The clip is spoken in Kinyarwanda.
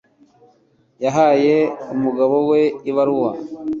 Yahaye umugabo we ibaruwa.